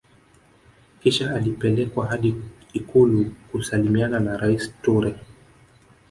Kisha alipelekwa hadi ikulu kusalimiana na Rais Toure